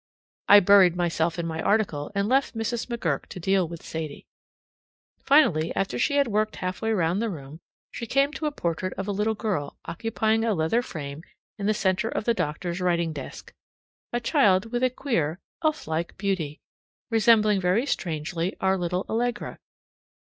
I buried myself in my article and left Mrs. McGurk to deal with Sadie. Finally, after she had worked half way around the room, she came to a portrait of a little girl occupying a leather frame in the center of the doctor's writing desk a child with a queer elf like beauty, resembling very strangely our little Allegra.